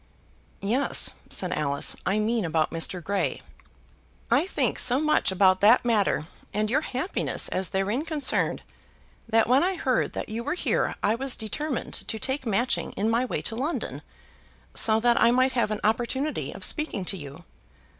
"Yes," said Alice; "I mean about Mr. Grey." "I think so much about that matter, and your happiness as therein concerned, that when I heard that you were here I was determined to take Matching in my way to London, so that I might have an opportunity of speaking to you."